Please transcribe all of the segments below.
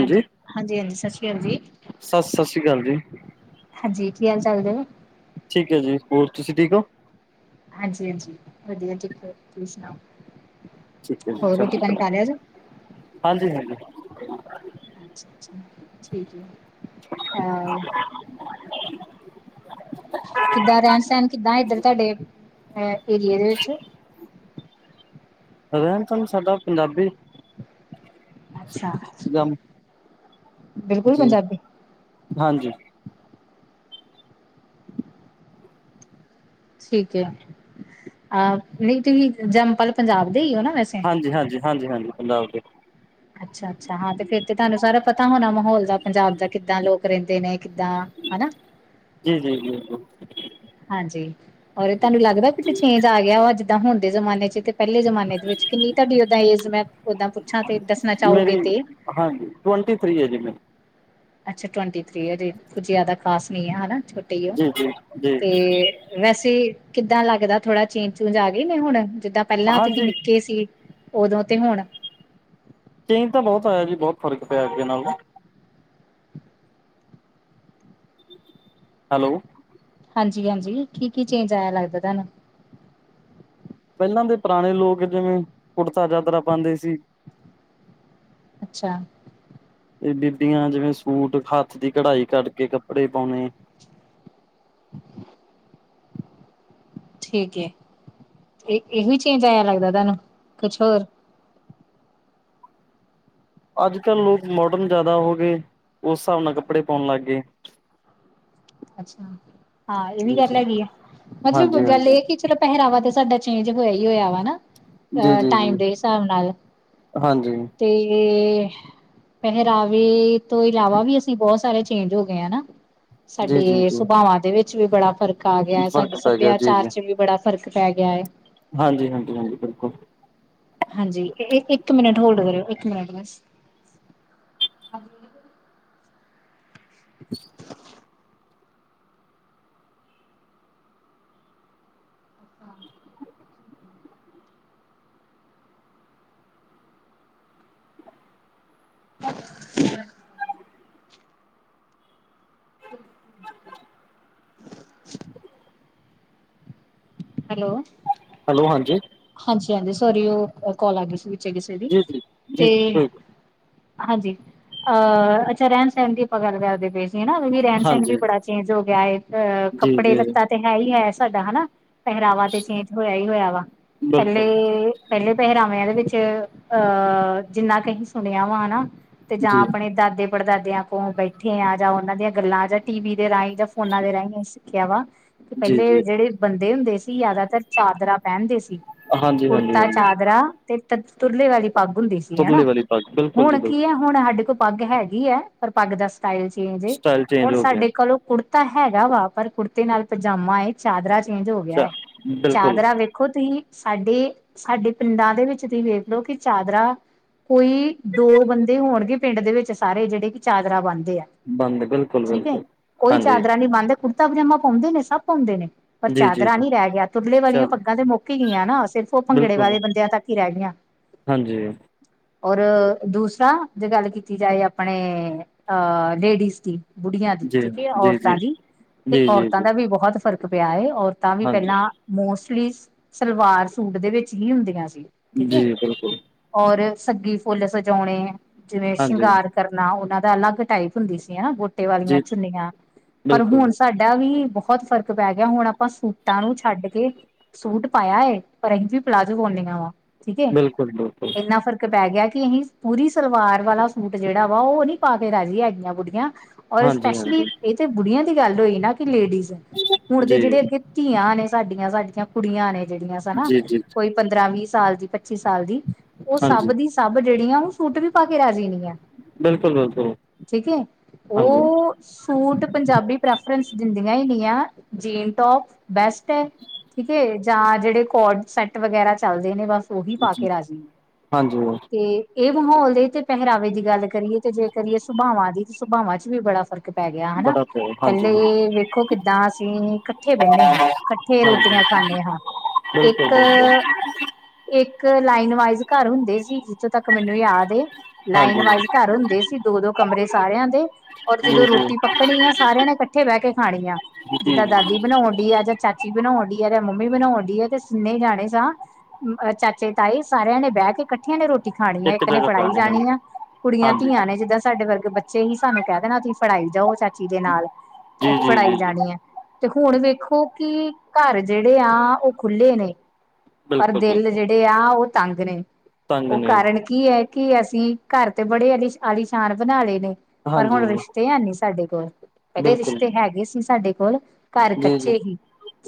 ਹਾਂਜੀ-ਹਾਂਜੀ-ਹਾਂਜੀ, ਸਸ਼੍ਰੀ ਅਕਾਲ ਜੀ। ਸ ਸਤਿ ਸ਼੍ਰੀ ਅਕਾਲ ਜੀ। ਹਾਂਜੀ, ਕੀ ਹਾਲ ਚਾਲ ਨੇ? ਠੀਕ ਐ ਜੀ, ਹੋਰ ਤੁਸੀਂ ਠੀਕ ਹੋ? ਹਾਂਜੀ-ਹਾਂਜੀ, ਵਧੀਆ ਠੀਕ, ਤੁਸੀਂ ਸੁਣਾਓ, ਠੀਕ ਹੈ ਜੀ ਹੋਰ ਰੋਟੀ- ਚੜ੍ਹਦੀ ਪਾਣੀ ਕਲਾ ਕਰ ਲਿਆ ਜੇ? ਹਾਂਜੀ ਹਾਂਜੀ। ਅ ਅੱਛਾ ਠੀਕ ਹੈ ਅਹ। [unintelligible] ਕਿੱਦਾਂ ਰਹਿਣ-ਸਹਿਣ ਕਿੱਦਾਂ ਇੱਧਰ, ਤੁਹਾਡੇ ਅਹ ਏਰੀਏ ਦੇ ਵਿੱਚ? ਰਹਿਣ-ਸਹਿਣ ਸਾਡਾ ਪੰਜਾਬੀ। ਅੱਛਾ। ਇਕਦਮ ਬਿਲਕੁਲ ਜੀ ਪੰਜਾਬੀ? ਹਾਂਜੀ। ਠੀਕ ਐ, ਅਹ ਨਹੀਂ ਤੁਸੀਂ ਜੰਮਪਲ ਪੰਜਾਬ ਦੇ ਹੀ ਹੋ ਨਾ ਵੈਸੇ? ਹਾਂਜੀ-ਹਾਂਜੀ-ਹਾਂਜੀ-ਹਾਂਜੀ, ਪੰਜਾਬ ਦੇ। ਅੱਛਾ-ਅੱਛਾ ਹਾਂ, ਤੇ ਫੇਰ ਤੇ ਤੁਹਾਨੂੰ ਸਾਰਾ ਪਤਾ ਹੋਣਾ ਮਾਹੌਲ ਦਾ ਪੰਜਾਬ ਦਾ ਕਿੱਦਾਂ ਲੋਕ ਰਹਿੰਦੇ ਨੇ ਕਿੱਦਾਂ ਹੈਨਾ। ਜੀ-ਜੀ-ਜੀ-ਜੀ। ਹਾਂਜੀ, ਔਰ ਤੁਹਾਨੂੰ ਲੱਗਦਾ ਵੀ ਤੇ ਚੇਂਜ ਆ ਗਿਆ ਵਾ, ਜਿੱਦਾਂ ਹੁਣ ਦੇ ਜ਼ਮਾਨੇ ਚ ਤੇ ਪਹਿਲੇ ਜ਼ਮਾਨੇ ਦੇ ਵਿੱਚ, ਕਿੰਨੀ ਤੁਹਾਡੀ ਓਦਾਂ ਏਜ ਮੈਂ ਓਦਾਂ ਪੁੱਛਾਂ ਤੇ ਦੱਸਣਾ ਚਾਹੋਗੇ ਮੇਰੀ ਤੇ। ਹਾਂਜੀ, ਟਵੰਟੀ ਥ੍ਰੀ ਹੈ ਜੀ ਮੇਰੀ। ਅੱਛਾ, ਟਵੰਟੀ ਥ੍ਰੀ ਐ, ਕੁਝ ਜ਼ਿਆਦਾ ਖਾਸ ਨਹੀ ਐ, ਛੋਟੀ ਹੀ ਉਹ, ਜੀ ਜੀ ਜੀ ਤੇ ਵੈਸੇ ਕਿੱਦਾਂ ਲੱਗਦਾ ਥੋੜ੍ਹਾ ਚੇਂਜ- ਚੂਂਜ ਆ ਗਈ ਨੇ ਹੁਣ ਜਿੱਦਾਂ ਪਹਿਲਾਂ ਤੁਸੀਂ ਹਾਂਜੀ ਨਿੱਕੇ ਸੀ, ਉਦੋਂ ਤੇ ਹੁਣ ਚੇਂਜ ਤਾਂ ਬਹੁਤ ਹੋਇਆ ਜੀ, ਬਹੁਤ ਫ਼ਰਕ ਪਿਆ ਅੱਗੇ ਨਾਲੋਂ। ਹੈਲੋ। ਹਾਂਜੀ-ਹਾਂਜੀ, ਕੀ-ਕੀ ਚੇਂਜ ਆਇਆ ਲੱਗਦਾ ਤੁਹਾਨੂੰ? ਪਹਿਲਾਂ ਦੇ ਪੁਰਾਣੇ ਲੋਕ ਜਿਵੇਂ ਕੁਰਤਾ ਜਾਤਰਾ ਪਾਉਂਦੇ ਸੀ। ਅੱਛਾ। ਤੇ ਬੀਬੀਆਂ ਜਿਵੇਂ ਸੂਟ ਹੱਥ ਦੀ ਕਢਾਈ ਕੱਢਕੇ ਕੱਪੜੇ ਪਾਉਣੇ। [unintelligible] ਠੀਕ ਇਹ, ਇਹ ਵੀ ਚੇਂਜ ਆਇਆ ਲੱਗਦਾ ਤੁਹਾਨੂੰ ਕੁਛ ਹੋਰ ਅੱਜ-ਕੱਲ੍ਹ ਲੋਕ ਮੋਡਰਨ ਜ਼ਿਆਦਾ ਹੋ ਗਏ ਉਸ ਹਿਸਾਬ ਨਾਲ ਕੱਪੜੇ ਪਾਉਣ ਲੱਗ ਗਏ। ਅੱਛਾ ਹਾਂ ਇਹ ਵੀ ਜੀ ਗੱਲ ਜੀ ਹੈਗੀ ਆ ਮਤਲਬ ਹਾਂਜੀ ਗੱਲ ਹਾਂਜੀ ਇਹ ਕਿ ਚਲੋ ਪਹਿਰਾਵਾ ਤੇ ਸਾਡਾ ਚੇਂਜ ਹੋਇਆ ਹੀ ਹੋਇਆ ਵਾ ਨਾ। ਜੀ ਅ ਜੀ ਟਾਈਮ ਜੀ ਦੇ ਹਿਸਾਬ ਨਾਲ। ਹਾਂਜੀ ਤੇ ਪਹਿਰਾਵੇ ਤੋਂ ਇਲਾਵਾ ਵੀ ਅਸੀਂ ਬਹੁਤ ਸਾਰੇ ਚੇਂਜ ਹੋ ਗਏ ਹੈਨਾ। ਜੀ ਜੀ ਸਾਡੇ ਜੀ ਸੁਭਾਵਾਂ ਦੇ ਵਿੱਚ ਵੀ ਬੜਾ ਫ਼ਰਕ ਆ ਗਿਆ, ਸਾਡੇ ਫ਼ਰਕ ਪੈ ਗਿਆ ਸੱਭਿਆਚਾਰ ਚ ਵੀ ਬੜਾ ਫਰਕ ਪੈ ਗਿਆ ਹੈ। ਹਾਂਜੀ-ਹਾਂਜੀ-ਹਾਂਜੀ ਬਿਲਕੁਲ। ਹਾਂਜੀ, ਇੱਕ ਮਿੰਟ ਹੋਲਡ ਕਰਿਓ ਇੱਕ ਮਿੰਟ ਬਸ‌ [unintelligible] ਹਾਂ [unintelligible] ਹਮ ਹਮ [unintelligible] ਹੈਲੋ। ਹੈਲੋ, ਹਾਂਜੀ। ਹਾਂਜੀ-ਹਾਂਜੀ, ਸੋਰੀ ਉਹ ਕੋਲ ਆ ਗਈ ਸੀ ਵਿੱਚ ਕਿਸੇ ਦੀ ਜੀ ਜੀ ਤੇ ਜੀ ਹਾਂਜੀ ਅਹ ਅੱਛਾ ਰਹਿਣ ਸਹਿਣ ਦੀ ਆਪਾਂ ਗੱਲ ਕਰਦੇ ਪ ਵੀ ਰਹਿਣ ਸਹਿਣ ਵੀ ਹਾਂਜੀ ਬੜਾ ਚੇਂਜ ਹੋ ਗਿਆ ਹੈ ਅਹ ਜੀ ਕੱਪੜੇ ਜੀ ਲੱਤਾ ਤੇ ਹੈ ਹੀ ਹੈ ਸਾਡਾ ਹਨਾ। ਪਹਿਰਾਵਾ ਤੇ ਚੇਂਜ ਹੋਇਆ ਹੀ ਹੋਇਆ ਵਾ ਬਿਲਕੁਲ ਪਹਿਲੇ। ਪਹਿਲੇ ਪਹਿਰਾਵਿਆਂ ਦੇ ਵਿੱਚ ਅਹ ਜਿੰਨਾ ਅਹੀ ਸੁਣਿਆ ਵਾ ਹਨਾ। ਤੇ ਜਾਂ ਜੀ ਆਪਣੇ ਦਾਦੇ। ਪੜਦਾਦਿਆਂ ਕੋਲ ਬੈਠੇ ਆ ਜਾਂ ਉਹਨਾਂ ਦੀਆਂ ਗੱਲਾਂ ਜਾਂ ਟੀ ਵੀ ਦੇ ਰਾਹੀਂ ਜਾਂ ਫੋਨਾ ਦੇ ਰਾਹੀਂ। ਕਿਆ ਵਾ ਤੇ ਜੀ ਪਹਿਲੇ ਜੀ ਜਿਹੜੇ ਬੰਦੇ ਹੁੰਦੇ ਸੀ ਜ਼ਿਆਦਾ ਤਰ ਚਾਦਰਾ ਪਹਿਨਦੇ ਸੀ। ਹਾਂਜੀ ਹਾਂਜੀ ਕੁੜਤਾ ਹਾਂਜੀ ਚਾਦਰਾ ਤੇ ਤ ਤੁਰਲੇ ਵਾਲੀ ਪੱਗ ਹੁੰਦੀ ਸੀ। ਹੇਣਾ ਤੁਰਲੇ ਵਾਲੀ ਪੱਗ ਬਿਲਕੁਲ ਜੀ ਹੁਣ ਕੀ ਹੈ ਬਿਲਕੁਲ ਹੁਣ ਸਾਡੇ ਕੋਲ। ਪੱਗ ਹੈਗੀ ਹੈ ਪਰ ਪੱਗ ਦਾ ਸਟਾਈਲ ਚੇਂਜ ਏ ਸਟਾਈਲ ਚੇਂਜ ਹੁਣ ਹੋ ਗਿਆ ਸਾਡੇ ਕੋਲੋਂ ਕੁੜ ਤਾਂ ਹੈਗਾ ਵਾ ਪਰ ਕੁੜਤੇ ਨਾਲ ਪਜਾਮਾ ਏ ਚਾਦਰਾ ਚੇਂਜ ਹੋ ਗਿਆ ਅੱਛਾ ਹੈ ਬਿਲਕੁਲ ਚਾਦਰਾ ਵਿੱਚ ਦੇਖੋ ਤੁਸੀਂ ਸਾਡੇ ਸਾਡੇ ਪਿੰਡਾਂ ਦੇ ਵਿੱਚ ਤੁਸੀਂ ਵੇਖਲੋ ਕਿ ਚਾਦਰਾ ਕੋਈ ਦੋ ਬੰਦੇ ਹੋਣਗੇ ਪਿੰਡ ਦੇ ਵਿੱਚ ਸਾਰੇ ਜਿਹੜੇ ਕਿ ਚਾਦਰਾ ਬਣਦੇ ਆ। ਬੰਦ ਬਿਲਕੁਲ ਠੀਕ ਹੈ ਬਿਲਕੁਲ ਕੋਈ ਹਾਂਜੀ ਚਾਦਰਾ ਨੀ ਬਣਦਾ ਕੁੜਤਾ ਪਜਾਮਾ ਪਾਉਂਦੇ ਨੇ ਸਭ ਪਾਉਂਦੇ ਨੇ। ਪਰ ਜੀ ਜੀ ਚਾਦਰਾ ਜੀ ਨਹੀਂ ਰਹਿ ਗਿਆ ਤੁਰੱਲੇ ਚ ਵਾਲੀਆਂ ਪੱਗਾਂ ਤੇ ਮੁੱਕੀ ਗਈਆਂ ਨਾ ਸਿਰਫ ਉਹ ਭੰਗੜੇ ਬਿਲਕੁਲ ਵਾਲੇ ਬੰਦਿਆਂ ਤੱਕ ਹੀ ਰਹਿ ਗਈਆਂ। ਹਾਂਜੀ। ਔਰ ਦੂਸਰਾ ਜੇ ਗੱਲ ਕੀਤੀ ਜਾਏ ਆਪਣੇ ਅਹ ਲੇਡੀਜ਼ ਦੀ। ਬੁੜੀਆਂ ਦੀ ਜੀ ਠੀਕ ਜੀ ਜੀ ਔਰਤਾਂ ਦੀ ਤੇ ਜੀ ਜੀ ਔਰਤਾਂ ਜੀ ਦਾ ਵੀ ਬਹੁਤ ਫ਼ਰਕ ਪਿਆ ਹੈ। ਤਾਵੀ ਹਾਂਜੀ ਪਹਿਲਾਂ ਮੋਸਟਲੀ ਸਲਵਾਰ ਸੂਟ ਦੇ ਵਿੱਚ ਹੀ ਹੁੰਦੀਆਂ ਸੀ। ਠੀਕ ਹੈ ਜੀ ਬਿਲਕੁਲ ਔਰ ਸੱਗੀ ਫੁੱਲ ਸਜਾਉਣੇ ਜਿਵੇਂ ਹਾਂਜੀ ਸ਼ਿੰਗਾਰ। ਕਰਨਾ ਉਹਨਾਂ ਦਾ ਅਲੱਗ ਟਾਈਪ ਹੁੰਦੀ ਸੀ ਹਨਾ ਗੋਟੇ ਜੀ ਵਾਲੀਆਂ ਚੁੰਨੀਆਂ ਪਰ ਹੁਣ ਬਿਲਕੁਲ ਸਾਡੇ ਸਾਡਾ ਵੀ ਬਹੁਤ ਫ਼ਰਕ ਪੈ ਗਿਆ ਹੁਣ ਆਪ ਆਪਾਂ ਸੂਟਾਂ ਨੂੰ ਛੱਡ ਕੇ ਸੂਟ ਪਾਇਆ ਪਰ ਅਸੀਂ ਵੀ ਪਲਾਜ਼ੋ ਪਾਉਂਦਿਆਂ ਵਾ। ਠੀਕ ਬਿਲਕੁਲ ਬਿਲਕੁਲ ਇੰਨਾ ਫਰਕ ਪੈ ਗਿਆ ਕਿ ਅਸੀਂ ਪੂਰੀ ਸਲਵਾਰ ਵਾਲਾ ਸੂਟ ਜਿਹੜਾ ਵਾ ਉਹ ਨਹੀਂ ਪਾ ਕੇ ਰਾਜੀ ਹੈਗੀਆਂ ਬੁੜੀਆਂ। ਔਰ ਹਾਂਜੀ ਸਪੈਸ਼ਲੀ ਹਾਂਜੀ ਇਹ ਤੇ ਬੁੜੀਆਂ ਦੀ ਗੱਲ ਹੋਈ ਨਾ ਕਿ ਲੇਡੀਜ਼ ਹੁਣ ਦੇ ਜੀ ਜਿਹੜੇ ਇਹ ਤੀਆਂ ਨੇ ਸਾਡੀਆਂ ਸਾਡੀਆਂ ਕੁੜੀਆਂ ਨੇ ਜਿਹੜੀਆਂ ਸਾ ਹਨਾ ਜੀ ਜੀ ਕੋਈ। ਪੰਦਰਾਂ ਵੀਹ ਸਾਲ ਦੀ, ਪੱਚੀ ਸਾਲ ਦੀ ਉਹ ਹਾਂਜੀ ਸਭ ਦੀ ਸਭ ਜਿਹੜੀਆਂ ਵਾ ਉਹ ਸੂਟ ਵੀ ਪਾ ਕੇ ਰਾਜੀ ਨਹੀਂ ਆ। ਬਿਲਕੁਲ ਬਿਲਕੁਲ ਠੀਕ ਏ ਹਾਂਜੀ ਓ ਸੂਟ ਪੰਜਾਬੀ ਪ੍ਰੈਫਰੈਂਸ ਦਿੰਦੀਆਂ ਹੀ ਨਹੀਂ ਆ ਜੀਨ ਟੋਪ ਬੈਸਟ ਹੈ ਠੀਕ ਏ ਜਾਂ ਜਿਹੜੇ ਕੋਡ ਸੈਟ ਵਗੈਰਾ ਚਲਦੇ ਨੇ ਬਸ ਉਹੀ ਪਾ ਜੀ ਕੇ ਰਾਜ਼ੀ ਨੇ ਹਾਂਜੀ ਤੇ ਇਹ ਮਾਹੌਲ ਦੇ ਤੇ ਪਹਿਰਾਵੇ ਦੀ ਗੱਲ ਕਰੀਏ ਤੇ ਜੇ ਕਰੀਏ ਸੁਭਾਵਾਂ ਦੀ ਤੇ ਸੁਭਾਵਾਂ ਚ ਵੀ ਬੜਾ ਫਰਕ ਪੈ ਗਿਆ ਹਨਾ ਬੜਾ ਪਿਆਰ ਹਾਂਜੀ ਪਹਿਲੇ ਵੇਖੋ ਕਿੱਦਾਂ ਅਸੀਂ ਬਹਿੰਦੇ ਹਾਂ, ਇਕੱਠੇ ਰੋਟੀਆਂ ਹਾਂਜੀ ਖਾਂਦੇ ਹਾਂ ਬਿਲਕੁਲ ਇੱਕ ਬਿਲਕੁਲ ਇੱਕ ਲਾਈਨ ਵਾਈਜ਼ ਘਰ ਹੁੰਦੇ ਸੀ, ਜਿੱਥੋਂ ਤੱਕ ਮੈਨੂੰ ਯਾਦ ਲਾਈਨ ਹਾਂਜੀ ਵਾਈਜ਼ ਘਰ ਹੁੰਦੇ ਸੀ ਦੋ ਦੋ ਕਮਰੇ ਸਾਰਿਆਂ ਦੇ ਔਰ ਜੀ ਜਦੋਂ ਜੀ ਰੋਟੀ ਪੱਕਣੀ ਆ ਸਾਰਿਆਂ ਨੇ ਇਕੱਠੇ ਬਹਿ ਕੇ ਖਾਣੀ ਆ ਜੀ ਜਿੱਦਾਂ ਦਾਦੀ ਦੀ ਜੀ ਬਣਾਉਣ ਡੀ ਆ ਆਜ ਚਾਚੀ ਬਣਾਉਣ ਡੀ ਆ ਜਾਂ ਮੰਮੀ ਬਣਾਉਣ ਡੀ ਆ ਤੇ ਤਿਨੇ ਜਾਣੇ ਸਾਂ ਅ ਚਾਚੇ ਤਾਈ ਸਾਰਿਆਂ ਨੇ ਬਹਿ ਕੇੱ ਇਕੱਠੀਆਂ ਨੇ ਰੋਟੀ ਖਾਣੀ ਆ, ਇੱਕ ਨੇ ਜਗ੍ਹਾ ਫੜਾਈ ਕਰਾਣੀ ਜਾਣੀ ਆ, ਕੁੜੀਆਂ ਹਾਂਜੀ ਹਾਂਜੀ ਧੀਆਂ ਨੇ ਜਿੱਦਾਂ ਸਾਡੇ ਵਰਗੇ ਬ ਬੱਚੇ ਹੀ ਸਾਨੂੰ ਕਹਿ ਦੇਣਾ ਤੁਸੀਂ ਫੜਾਈ ਜਾਓ ਚਾਚੀ ਦੇ ਨਾਲ ਜੀ ਤੇ ਅਸੀ ਜੀ ਫੜਾਈ ਜੀ ਜੀ ਜਾਣੀ ਆ। ਤੇ ਹੁਣ ਵੇਖੋ ਕਿ ਘਰ ਜਿਹੜੇ ਆ, ਉਹ ਖੁੱਲ੍ਹੇ ਨੇ ਪਰ ਬਿਲਕੁਲ ਦਿਲ ਬਿਲਕੁਲ ਜਿਹੜੇ ਆ ਉਹ ਤੰਗ ਨੇ ਤੰਗ ਉਹ ਨੇ ਕਾਰਨ ਕੀ ਕੀ ਐ ਕਿ ਅਸੀਂ ਘਰ ਤੇ ਬੜੇ ਆਲੀ ਆਲੀਸ਼ਾਨ ਬਣਾ ਲਏ ਨੇ ਪਰ ਹਾਂਜੀ ਹੁਣ ਰਿਸ਼ ਤੇ ਹੈ ਨੀ ਸਾਡੇ ਕੋਲ, ਪਹਿਲੇ ਬਿਲਕੁਲ ਰਿਸ਼ਤੇ ਹੈਗੇ ਸੀ ਸਾਡੇ ਕੋਲ। ਘਰ ਜੀ ਜੀ ਕੱਚੇ ਹੀ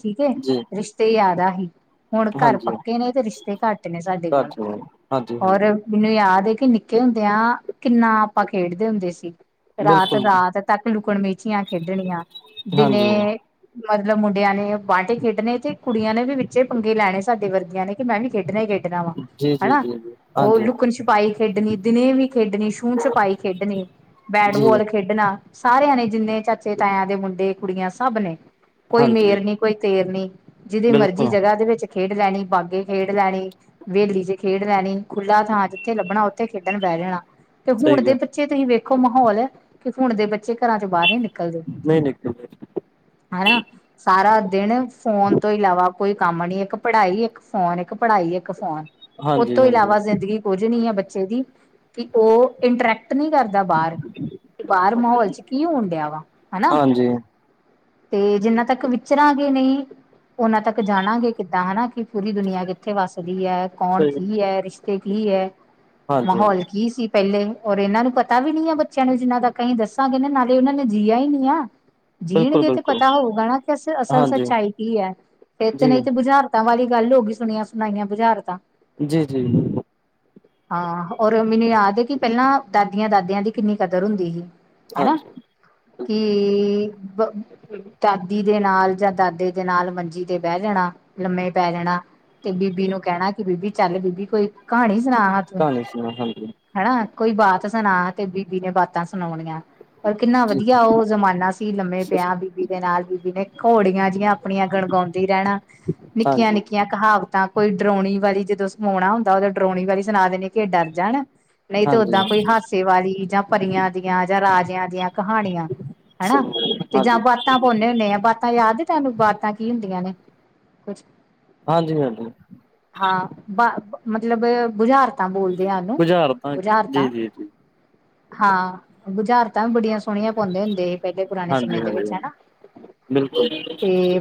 ਠੀਕ ਏ, ਜੀ ਰਿਸ਼ਤੇ ਜ਼ਿਆਦਾ ਹੀ। ਹੁਣ ਘਰ ਹਾਂਜੀ ਪੱਕੇ ਨੇ ਤੇ ਰਿਸ਼ਤੇ ਘੱਟ ਨੇ ਸਾਡੇ ਘਰ ਕੋਲ ਚ ਹਾਂਜੀ ਔਰ ਹਾਂਜੀ ਮੈਨੂੰ ਯਾਦ ਏ ਕਿ ਨਿੱਕੇ ਹੁੰਦਿਆਂ ਕਿੰਨਾ ਆਪਾਂ ਖੇਡਦੇ ਹੁੰਦੇ ਸੀ ਰਾਤ ਬਿਲਕੁਲ ਜੀ ਰਾਤ ਤੱਕ ਲੁਕਣ ਮਿਚੀਆਂ ਖੇਡਣੀਆਂ, ਹਾਂਜੀ ਦਿਨੇ ਮਤਲਬ ਮੁੰਡਿਆਂ ਨੇ ਬਾਂਟੇ ਖੇਡਣੇ ਤੇ ਕੁੜੀਆਂ ਨੇ ਵੀ ਵਿੱਚੇ ਪੰਗੇ ਲੈਣੇ ਸਾਡੇ ਵਰਗਿਆਂ ਨੇ ਕਿ ਮੈਂ ਵੀ ਖੇਡਣਾ ਹੀ ਖੇਡਣਾ। ਖੇਡਣਾ ਵਾ ਜੀ ਜੀ ਹਨਾ। ਜੀ ਜੀ ਉਹ ਹਾਂਜੀ ਲੁਕਣ ਛਪਾਈ ਖੇਡਣੀ, ਦਿਨੇ ਵੀ ਖੇਡਣੀ ਛੂਹ ਛਪਾਈ ਖੇਡਣੀ, ਜੀ ਬੈਟਬਲ ਖੇਡਣਾ ਸਾਰਿਆਂ ਨੇ ਜਿੰਨੇ ਚਾਚੇ ਤਾਇਆਂ ਦੇ ਮੁੰਡੇ ਕੁੜੀਆਂ ਸਭ ਨੇ ਕੋਈ ਹਾਂਜੀ ਮੇਰ ਨੀ ਕੋਈ ਤੇਰ ਨੀ, ਜਿਹਦੀ ਮਰਜ਼ੀ ਬਿਲਕੁਲ ਜਗ੍ਹਾ ਦੇ ਵਿੱਚ ਖੇਡ ਲੈਣੀ, ਬਾਗੇ ਖੇਡ ਲੈਣੀ, ਵੇਲੀ ਚ ਖੇਡ ਲੈਣੀ, ਖੁੱਲਾ ਥਾਂ ਜਿੱਥੇ ਲੱਭਣਾ ਉਥੇ ਇਕੱਠੇ ਖੇਡਣ ਬਹਿ ਜਾਣਾ ਤੇ ਸਹੀ ਹੁਣ ਦੇ ਗੱਲ ਬੱ ਪਿੱਛੇ ਤੁਸੀਂ ਵੇਖੋ ਮਾਹੌਲ ਕਿ ਹੁਣ ਦੇ ਬੱਚੇ ਘਰਾਂ ਚੋਂ ਬਾਹਰ ਨੀ ਨਿਕਲਦੇ। ਨਹੀਂ ਨਿਕਲਦੇ ਹਨਾ, ਸਾਰਾ ਦਿਨ ਫੋਨ ਤੋਂ ਇਲਾਵਾ ਕੋਈ ਕੰਮ ਨੀ, ਇੱਕ ਪੜ੍ਹਾਈ ਇੱਕ ਫੋਨ, ਇੱਕ ਪੜ੍ਹਾਈ ਇੱਕ ਫੋਨ ਉਹ ਹਾਂਜੀ ਤੋਂ ਹਾਂਜੀ ਇਲਾਵਾ ਜ਼ਿੰਦਗੀ ਕੁਝ ਨੀ ਆ ਬੱਚੇ ਦੀ ਕਿ ਉਹ ਇੰਟਰੈਕਟ ਨਹੀਂ ਕਰਦਾ ਬਾਹਰ। ਤੇ ਬਾਹਰ ਮਾਹੌਲ ਚ ਕੀ ਹੋਣ ਡਿਆ ਵਾ। ਹਨਾ ਹਾਂਜੀ। ਤੇ ਜਿੰਨਾਂ ਤੱਕ ਵਿਚਰਾਂਗੇ ਨਹੀਂ, ਉਨ੍ਹਾਂ ਤੱਕ ਜਾਣਾਂਗੇ ਕਿੱਦਾਂ ਹਨਾ ਕਿ ਪੂਰੀ ਦੁਨੀਆ ਕਿੱਥੇ ਵੱਸਦੀ ਐ, ਕੌਣ ਸਹੀ ਕੀ ਐ, ਰਿਸ਼ਤੇ ਕੀ ਐ। ਹਾਂਜੀ ਮਾਹੌਲ ਕੀ ਸੀ। ਪਹਿਲੇ ਔਰ ਇਹਨਾਂ ਨੂੰ ਪਤਾ ਵੀ ਨੀ ਆ ਬੱਚਿਆਂ ਨੂੰ ਜਿੰਨਾ ਤਕ ਅਸੀ ਦੱਸਾਂਗੇ ਨਾ ਨਾਲੇ ਉਹਨਾਂ ਨੇ ਜੀਆ ਹੀ ਨੀ ਆ। ਬਿਲਕੁਲ ਜੀਣਗੇ ਤੇ ਬਿਲਕੁਲ ਪਤਾ ਹੋਊਗਾ ਨਾ ਕਿ ਅਸ ਅਸਲ ਹਾਂਜੀ ਸੱਚਾਈ ਕੀ ਐ ਫੇਰ ਤੇ ਜੀ ਨਹੀਂ ਤੇ ਬੁਝਾਰ ਤਾਂ ਵਾਲੀ ਗੱਲ ਹੋ ਗਈ ਸੁਣੀਆਂ ਸੁਣਾਈਆਂ ਬੁਝਾਰਤਾਂ। ਜੀ ਜੀ। ਹਾਂ ਔਰ ਮੈਨੂੰ ਯਾਦ ਐ ਕਿ ਪਹਿਲਾਂ ਦਾਦੀਆਂ ਦਾਦਿਆਂ ਦੀ ਕਿੰਨੀ ਕਦਰ ਹੁੰਦੀ ਹੀ। ਹੈਨਾ ਹਾਂਜੀ ਕਿ ਦਾਦੀ ਦੇ ਨਾਲ ਜਾਂ ਦਾਦੇ ਦੇ ਨਾਲ ਮੰਜੀ ਤੇ ਬਹਿ ਜਾਣਾ, ਲੰਮੇ ਪੈ ਜਾਣਾ। ਤੇ ਬੀਬੀ ਨੂੰ ਕਹਿਣਾ ਕਿ ਬੀਬੀ ਚੱਲ ਬੀਬੀ ਕੋਈ ਕਹਾਣੀ ਸੁਣਾ ਹਾ ਤੂੰ। ਕਹਾਣੀ ਸੁਣਾ ਹਾਂਜੀ ਹਨਾ ਕੋਈ ਬਾਤ ਸੁਣਾ ਤੇ ਬੀਬੀ ਨੇ ਬਾਤਾਂ ਸੁਣਾਉਣੀਆਂ। ਪਰ ਕਿੰਨਾ ਜੀ ਵਧੀਆ ਉਹ ਜ਼ਮਾਨਾ ਸੀ, ਲੰਮੇ ਪਿਆ ਵੀ ਬੀਬੀ ਦੇ ਨਾਲ ਬੀਬੀ ਨੇ ਘੋੜੀਆਂ ਜਿਹੀਆਂ ਆਪਣੀਆਂ ਗਣਗਾਉਂਦੀ ਰਹਿਣਾ ਨਿੱਕੀਆਂ ਨਿੱਕੀਆਂ ਹਾਂਜੀ ਨਿੱਕੀਆਂ ਕਹਾਵਤਾਂ ਕੋਈ ਡਰੋਉਣੀ ਵਾਲੀ, ਜਦੋਂ ਸਵੋਉਣਾ ਹੁੰਦਾ ਉਦੋਂ ਡਰੋਉਣੀ ਵਾਲੀ ਸੁਣਾ ਦੇਣੀ, ਕਿ ਏ ਡਰ ਜਾਣ ਨਹੀਂ ਤੇ ਹਾਂਜੀ ਓਦਾਂ ਕੋਈ ਹਾਸੇ ਵਾਲੀ ਜਾਂ ਪਰੀਆਂ ਦੀਆਂ ਜਾਂ ਰਾਜਿਆਂ ਦੀਆਂ ਕਹਾਣੀਆਂ [unintelligible] ਹਨਾ ਸੁਣੋ ਤੇ ਜਾਂ ਬਾਤਾਂ ਪੌਨੇ ਹੁੰਨੇ ਆ ਬਾਤਾਂ ਯਾਦ ਤੇਨੂੰ ਬਾਤਾਂ ਕੀ ਹੁੰਦੀਆਂ ਨੇ, ਕੁਛ? ਹਾਂਜੀ ਹਾਂਜੀ ਹਾਂ ਮਤਲਬ ਬੁਝਾਰਤ ਤਾਂ ਬੋਲਦੇ ਆ ਨੂੰ ਬੁਝਾਰ ਤਾਂ ਜੀ ਬੂਜ਼ਾਰਤਾਂ ਜੀ ਜੀ ਹਾਂ ਗੁਜ਼ਾਰਤਾਂ ਵੀ ਬੜੀਆਂ ਸੋਹਣੀਆਂ ਪਾਉਂਦੇ ਹੁੰਦੇ ਸੀ ਪਹਿਲੇ ਪੁਰਾਣੇ ਸਮੇਂ ਦੇ ਵਿੱਚ ਹੇਨਾ ਬਿਲਕੁਲੁ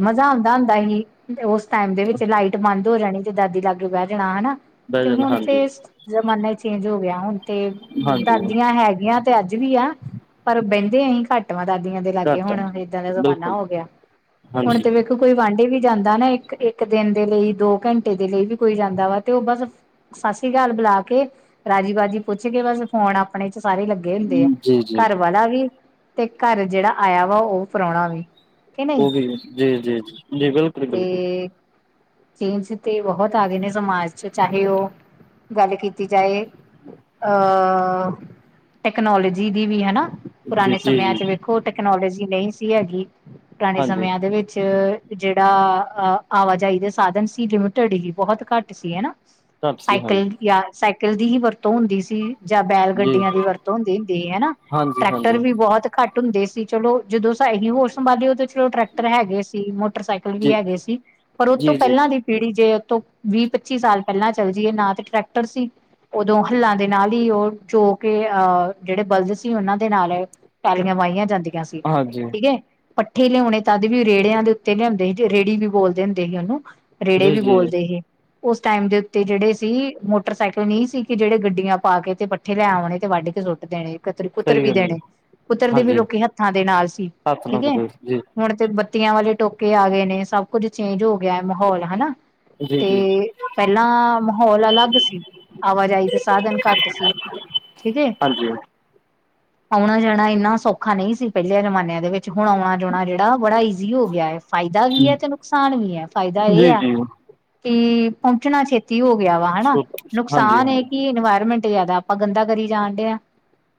ਮਜ਼ਾ ਆਉਂਦਾ ਹੁੰਦਾ ਹੀ ਤੇ ਉਸ ਟਾਈਮ ਦੇ ਵਿੱਚ ਲਾਈਟ ਬੰਦ ਹੋ ਜਾਣੀ ਤੇ ਦਾਦੀ ਲਾਗੇ ਬਹਿ ਜਾਣਾ ਹਨਾ ਬਹਿ ਤੇ ਜਾਣਾ ਹੁਣ ਹਾਂਜੀ ਤੇ ਜ਼ਮਾਨਾ ਚੇਂਜ ਹੋ ਗਿਆ ਹੁਣ ਤੇ ਹਾਂਜੀ ਦਾਦੀਆਂ ਹੈਗੀਆਂ ਤੇ ਅੱਜ ਵੀ ਆ। ਪਰ ਬਹਿੰਦੇ ਅਸੀਂ ਘੱਟ ਵਾ ਦਾਦੀਆਂ ਦੇ ਲਾਗੇ ਘੱਟ ਆ ਹੁਣ। ਦਾ ਜ਼ਮਾਨਾ ਬਿਲਕੁਲ ਹੋ ਗਿਆ। ਹੁਣ ਹਾਂਜੀ ਤੇ ਕੋਈ ਵਾਂਢੇ ਵੀ ਜਾਂਦਾ ਨਾ ਇੱਕ, ਇੱਕ ਦਿਨ ਦੇ ਲਈ, ਦੋ ਘੰਟੇ ਦੇ ਲਈ ਵੀ ਕੋਈ ਜਾਂਦਾ ਵਾ। ਤੇ ਉਹ ਬਸ ਸਤਿ ਸ੍ਰੀ ਅਕਾਲ ਬੁਲਾ ਕੇ ਰਾਜੀ- ਬਾਜੀ ਪੁੱਛ ਕੇ, ਬਸ ਫੋਨ ਆਪ ਆਪਣੇ ਚ' ਸਾਰੇ ਲੱਗੇ ਹੁੰਦੇ ਆ। ਜੀ ਜੀ ਘਰ ਵਾਲਾ ਵੀ, ਤੇ ਘਰ ਜਿਹੜਾ ਆਇਆ ਵਾ। ਉਹ ਪੁਰਾਣਾ ਵੀ। ਕਿ ਨਹੀਂ ਉਹ ਵੀ ਜੀ- ਜੀ- ਜ -ਜੀ ਬਿਲਕੁਲ- ਬਿਲਕੁਲ। ਤੇ ਚੇਂਜ ਤੇ ਬਹੁਤ ਆ ਗਦੇ ਨੇ ਸਮਾਜ ਚ ਚਾਹੇ ਉਹ ਗੱਲ ਕੀਤੀ ਜਾਏ ਅਹ, ਟੈਕਨੋਲੋਜੀ ਦੀ ਵੀ ਹੇਨਾ ਜੀ ਪੁਰਾਣੇ ਜੀ ਜੀ ਸਮਿਆਂ ਚ ਵੇਖੋ ਟੈਕਨੋਲੋਜੀ ਨਹੀਂ ਸੀ ਹੈਗੀ ਪੁਰਾਣੇ ਹਾਂਜੀ ਸਮਿਆਂ ਦੇ ਵਿੱਚ ਜਿਹੜਾ ਆਵਾਜਾਈ ਦੇ ਸਾਧਨ ਸੀ ਲਿਮਿਟਡ ਹੀ ਬਹੁਤ ਘੱਟ ਸੀ ਹਨਾ ਘੱਟ ਸੀ ਸਾਈਕਲ ਹਾਂਜੀ ਯ ਸਾਈਕਲ ਦੀ ਹੀ ਵਰਤੋਂ ਹੁੰਦੀ ਸੀ। ਜਾਂ ਬੈਲ ਜੀ ਗੱਡੀਆਂ ਦੀ ਵਰਤੋਂ ਹੁੰਦੀ ਹਨਾ। ਹਾਂਜੀ ਟਰੈਕਟਰ ਹਾਂਜੀ ਵੀ ਬਹੁਤ ਘੱਟ ਹੁੰਦੇ ਸੀ ਚਲੋ ਜਦੋਂ ਇਸੀਹੀ ਹੋਸ ਸੰਭਾਲੀ। ਟਰੈਕਟਰ ਹੈਗੇ ਸੀ। ਮੋਟਰਸਾਈਕਲ ਵੀ ਜੀ ਹੈਗੇ ਸੀ। ਪਰ ਜੀ ਉਹਤੋਂ ਜੀ ਦੀ ਪੀੜੀ ਜੇ ਉਤੋਂ ਵੀਹ -ਪੱਚੀ ਸਾਲ ਪਹਿਲਾਂ ਚੱਲ ਜਾਈਏ ਨਾ ਤੇ ਟਰੈਕਟਰ ਸੀ। ਉਦੋਂ ਹੱਲਾਂ ਦੇ ਨਾਲ ਹੀ ਉਹ ਜੋੋ ਕੇ ਅਹ ਜਿਹੜੇ ਬਲਦ ਸੀ। ਉਹਨਾਂ ਦੇ ਨਾਲ ਤਾਲੀਆਂ, ਮਾਈਆਂ ਜਾਂਦੀਆਂ ਸੀ, ਹਾਂਜੀ ਠੀਕ ਹੈ। ਪੱਠੇ ਲਿਆਉਣੇ ਤਦ ਵੀ ਰੇੜਿਆਂ ਦੇ ਉੱਤੇ ਲਿਆਉਦੇ ਸੀ ਰੇੜੀ ਵੀ ਬੋਲਦੇ ਹੁੰਦੇ ਸੀ ਉਹਨੂੰਹਨਾ। ਰੇੜੇ ਜੀ ਵੀ ਜੀ ਜੀ ਬੋਲਦੇ ਹੀ। ਉਸ ਟਾਈਮ ਦੇ ਉੱਤੇ ਜਿਹੜੇ ਸੀ। ਮੋਟਰਸਾਈਕਲ ਨਹੀਂ ਸੀ ਕਿ ਜਿਹੜੇ ਗੱਡੀਆਂ ਪਾ ਕੇ ਤੇ ਇੱਥੇ ਲੈ ਆਉ ਤੇ ਵੱਢ ਕੇ ਸੁੱਟ ਦੇਣੇ। ਕਤ ਕੁਤਰ ਸਹੀ ਵੀ ਗੱਲ ਹੈ ਦੇਣੇ। ਕੁਤਰ ਦੇ ਵੀ ਹਾਂਜੀ ਲੋਕੀ ਹੱਥਾਂ ਦੇ ਨਾਲ ਸੀ ਹੱਥ ਨਾ ਠੀਕ ਹੈ। ਕੁੱਟੋ ਜੀ ਹੁਣ ਤੇ ਬੱਤੀਆਂ ਵਾਲੇ ਟੋਕੇ ਆ ਗਏ ਨੇ। ਸਭ ਕੁੱਝ ਚੇਂਜ ਹੋ ਗਿਆ ਹੈ ਮਾਹੌਲ ਹਨਾ। ਜੀ ਜੀ ਤੇ ਪਹਿਲਾਂ ਮਾਹੌਲ ਅਲੱਗ ਸੀ। ਆਵਾਜਾਈ ਦੇ ਸਾਧਨ ਘੱਟ ਸੀ। ਠੀਕ ਏ। ਹਾਂਜੀ। [inaudible] ਆਉਣਾ- ਜਾਣਾ ਇੰਨਾ ਸੌਖਾ ਨਹੀਂ ਸੀ ਪਹਿਲੇ ਜਮਾਨਿਆਂ ਦੇ ਵਿੱਚ ਹੁਣ ਆਉਣਾ- ਜਾਣਾ ਜਿਹੜਾ ਬੜਾ ਈ ਕੀ ਹੋ ਗਿਆ ਹੈ। ਫਾਇਦਾ ਵੀ ਜੀ ਹੈ ਜੀ ਤੇ ਨੁਕਸਾਨ ਵੀ ਹੈ। ਫਾਇਦਾ ਇਹ ਆ ਹਾਂਜੀ ਕਿ ਪਹੁੰਚਣਾ ਛੇਤੀ ਹੋ ਗਿਆ ਵਾ ਹਨਾ। ਹਾਂਜੀ ਨੁਕਸਾਨ ਇਹ ਕਿ ਇਨਵਾਇਰਮੈਂਟ ਜਾਦਾ ਆਪਾਂ ਗੰਦਾ ਕਰੀ ਜਾਣ ਡੇਆ ਹਾਂ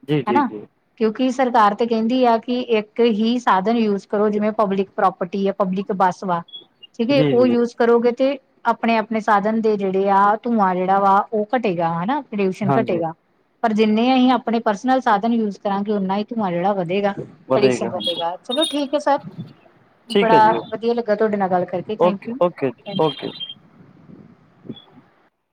ਜੀ ਜੀ ਹਨਾ। ਜੀ ਕਿਉਂਕਿ ਸਰਕਾਰ ਤੇ ਕਹਿੰਦੀ ਆ ਕਿ ਇੱਕ ਹੀ ਸਾਧਨ ਯੂਜ ਕਰੋ ਜਿਵੇਂ ਪਬਲਿਕ ਪ੍ਰੋਪਰਟੀ ਹੈ। ਪਬਲਿਕ ਬੱਸ ਵਾ। ਠੀਕ ਜੀ ਉਹ ਜੀ ਯੂਜ ਕਰੋਗੇ ਤੇ, ਆਪਣੇ- ਆਪਣੇ ਸਾਧਨ ਦੇ ਜਿਹੜੇ ਆ ਧੂੰਆਂ ਜਿਹੜਾ ਵਾ ਉਹ ਘਟੇਗਾ ਹਨਾ। ਪੱਲੂਸ਼ਨ ਹਾਂਜੀ ਘਟੇਗਾ ਪਰ ਜਿੰਨੇ ਅਸੀਂ ਆਪਣੇ ਪਰਸਨਲ ਸਾਧਨ ਯੂਜ ਕਰਾਂਗੇ ਉਨਾ ਹੀ ਧੂੰਆਂ ਜਿਹੜਾ ਵਧੇਗਾ। ਵਧੇਗਾ ਹਾਂਜੀ ਬੜੀਗਾ ਚਲੋ ਠੀਕ ਹੈ। ਠੀਕ ਸਰਬੜਾ ਹੈ ਜੀ ਵਧੀਆ ਲੱਗਾ ਤੁਹਾਡੇ ਨਾਲ ਗੱਲ ਕਰਕੇ। Thank okay you, okay thank you. Okay